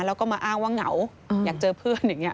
แล้วก็มาอ้างว่าเหงาอยากเจอเพื่อนอย่างนี้